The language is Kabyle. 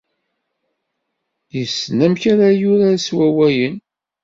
Yessen amek ara yurar s wawalen.